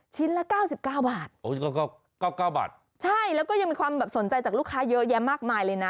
ชิ้นละ๙๙บาทโอ้ย๙๙บาทใช่แล้วก็ยังมีความสนใจจากลูกค้าเยอะแยะมากมายเลยนะ